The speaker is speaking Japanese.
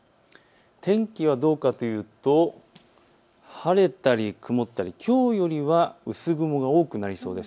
天気はどうかというと晴れたり曇ったり、きょうよりは薄雲が多くなりそうです。